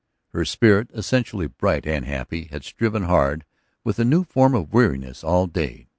Her spirit, essentially bright and happy, had striven hard with a new form of weariness all day.